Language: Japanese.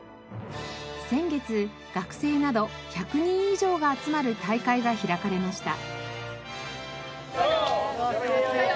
先月学生など１００人以上が集まる大会が開かれました。